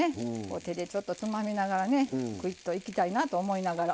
手でちょっとつまみながらねクイッといきたいなと思いながら。